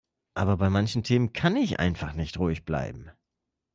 Aber bei manchen Themen kann ich einfach nicht ruhig bleiben.